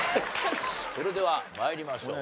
それでは参りましょう。